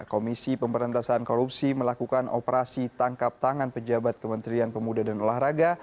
komisi pemberantasan korupsi melakukan operasi tangkap tangan pejabat kementerian pemuda dan olahraga